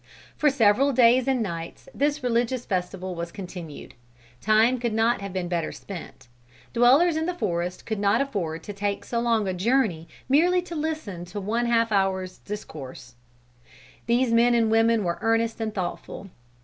For several days and nights, this religious festival was continued. Time could not have been better spent. Dwellers in the forest could not afford to take so long a journey merely to listen to one half hour's discourse. These men and women were earnest and thoughtful.